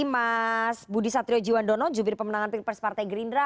mas budi satriojiwandono jubir pemenangan pilpres partai gerindra